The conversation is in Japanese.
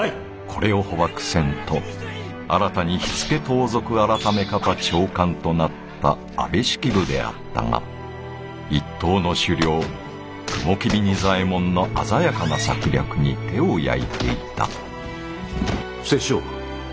これを捕縛せんと新たに火付盗賊改方長官となった安部式部であったが一党の首領雲霧仁左衛門の鮮やかな策略に手を焼いていた殺生は？